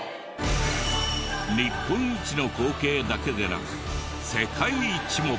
日本一の光景だけでなく世界一も！